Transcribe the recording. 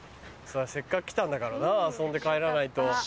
せっかく来たんだからな遊んで帰らないと。